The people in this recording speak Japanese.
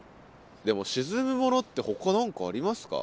でも沈むものってほか何かありますか？